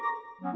ya ya gak